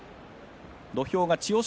土俵上は千代翔